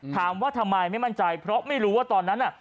ถามว่าทำไมไม่มั่นใจเพราะไม่รู้ว่าตอนนั้นน่ะ